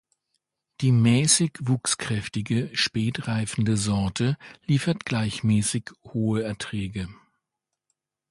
Die mäßig wuchskräftige, spätreifende Sorte liefert gleichmäßig hohe Erträge.